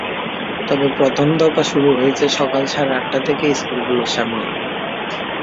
তবে প্রথম দফা শুরু হয়েছে সকাল সাড়ে আটটা থেকে স্কুলগুলোর সামনে।